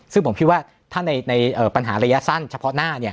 ซึ่งผมคิดว่าถ้าในปัญหาระยะสั้นเฉพาะหน้า